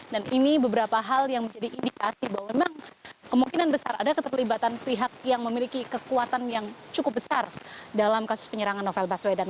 dan ini beberapa hal yang menjadi indikasi bahwa memang kemungkinan besar ada keterlibatan pihak yang memiliki kekuatan yang cukup besar dalam kasus penyerangan novel baswedan